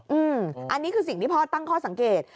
อืมอันนี้คือสิ่งที่พ่อตั้งข้อสังเกต